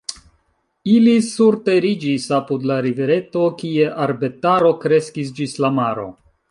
Ili surteriĝis apud la rivereto, kie arbetaro kreskis ĝis la maro.